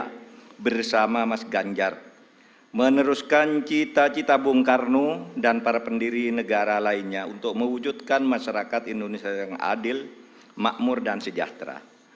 kita bersama mas ganjar meneruskan cita cita bung karno dan para pendiri negara lainnya untuk mewujudkan masyarakat indonesia yang adil makmur dan sejahtera